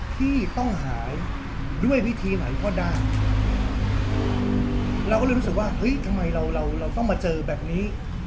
ที่ต้องหายด้วยวิธีไหนก็ได้เราก็เลยรู้สึกว่าเฮ้ยทำไมเราเราต้องมาเจอแบบนี้